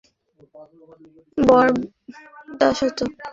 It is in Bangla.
দুর্নীতিকে জার্মানি যেমন প্রশ্রয় দেয় না, এইচ অ্যান্ড এমও বরদাশত করে না।